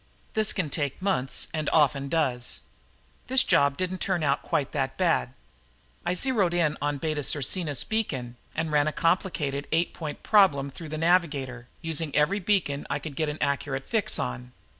This can take months, and often does. This job didn't turn out to be quite that bad. I zeroed on the Beta Circinus beacon and ran a complicated eight point problem through the navigator, using every beacon I could get an accurate fix on.